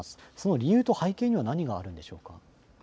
理由と、背景には何があるんでしょうか。